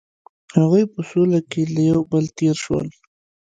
هغوی په سوله کې له یو بل تیر شول.